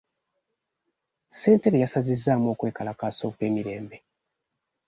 Ssentebe yasazizzaamu okwekalakaasa okw'emirembe.